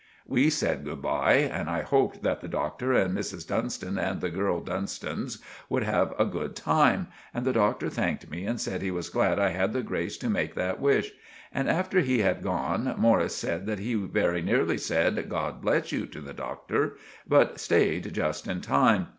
We said "good bye," and I hoped that the Doctor and Missis Dunstan and the gurl Dunstans would have a good time; and the Doctor thanked me and said he was glad I had the grace to make that wish; and after he had gone, Morris said that he very nearly said "God bless you" to the Doctor, but staid just in time.